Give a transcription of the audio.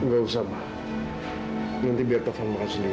gak usah ma nanti biar taufan makan sendiri